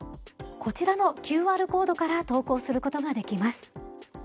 こちらのＱＲコードから投稿することができます。